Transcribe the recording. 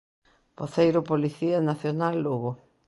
Voceiro Policía Nacional Lugo.